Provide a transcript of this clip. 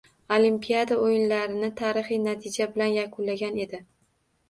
Olimpiada o‘yinlarini tarixiy natija bilan yakunlagan edi.